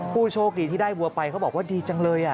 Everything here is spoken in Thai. ผู้โชคดีที่ได้วัวไปเขาบอกว่าดีจังเลย